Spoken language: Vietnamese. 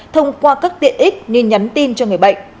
thông qua các tiện ích như nhắn tin cho người bệnh